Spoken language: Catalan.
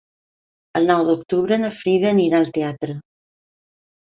El nou d'octubre na Frida anirà al teatre.